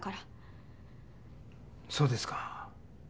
そうですか。